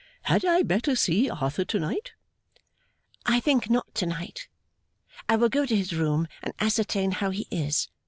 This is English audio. Had I better see Arthur to night?' 'I think not to night. I will go to his room and ascertain how he is.